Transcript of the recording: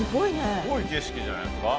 すごい景色じゃないですか。